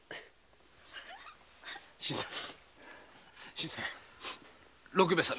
新さん。